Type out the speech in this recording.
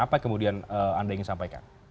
apa yang kemudian anda ingin sampaikan